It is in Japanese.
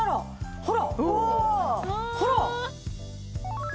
ほら！